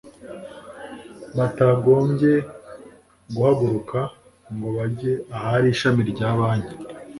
batagombye guhaguruka ngo bajye ahari ishami rya banki